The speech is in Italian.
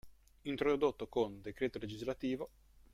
Introdotto con D. Lgs.